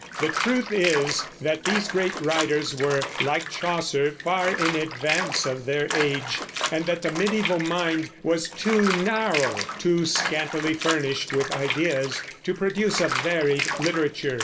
The truth is that these great writers were, like Chaucer, far in advance of their age, and that the mediæval mind was too narrow, too scantily furnished with ideas to produce a varied literature.